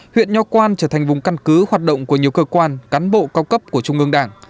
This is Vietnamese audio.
huyện nho quan trở thành vùng căn cứ hoạt động của nhiều cơ quan cán bộ cao cấp của trung ương đảng